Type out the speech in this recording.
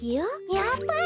やっぱり！